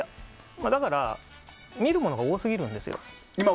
だから、見るものが多すぎるんですよ。